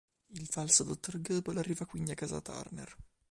Il falso dottor Goebel arriva quindi a casa Turner.